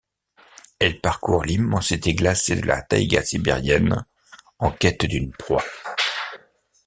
Elle parcourt l'immensité glacée de la taïga sibérienne, en quête d'une proie.